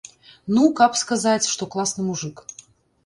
Ну, каб сказаць, што класны мужык.